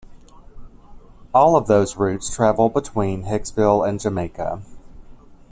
All of those routes travel between Hicksville and Jamaica.